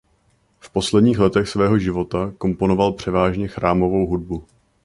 V posledních letech svého života komponoval převážně chrámovou hudbu.